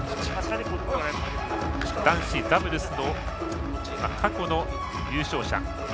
男子ダブルスの過去の優勝者